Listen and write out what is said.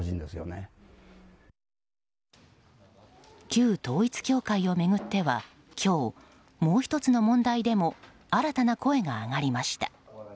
旧統一教会を巡っては今日もう１つの問題でも新たな声が上がりました。